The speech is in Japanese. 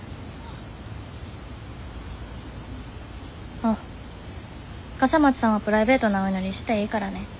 あっ笠松さんはプライベートなお祈りしていいからね。